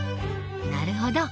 なるほど。